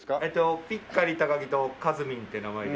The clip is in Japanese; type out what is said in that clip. ぴっかり高木とかずみんって名前で。